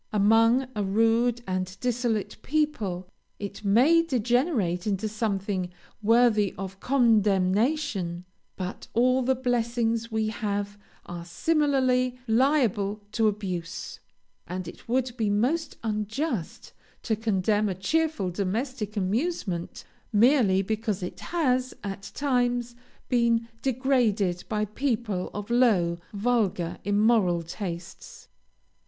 Among a rude and dissolute people it may degenerate into something worthy of condemnation; but all the blessings we have are similarly liable to abuse, and it would be most unjust to condemn a cheerful domestic amusement, merely because it has, at times, been degraded by people of low, vulgar, immoral tastes.